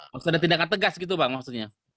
maksudnya ada tindakan tegas gitu bang maksudnya